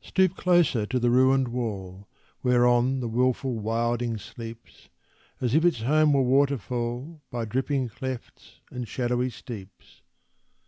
Stoop closer to the ruined wall, Whereon the wilful wilding sleeps, As if its home were waterfall By dripping clefts and shadowy steeps.